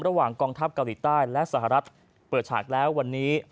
ระหว่างกองทัพเกาหลีใต้และสหรัฐเปิดฉากแล้ววันนี้